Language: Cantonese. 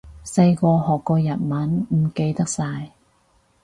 細個學過日文，唔記得晒